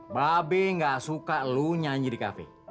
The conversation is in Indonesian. mbak be nggak suka lu nyanyi di kafe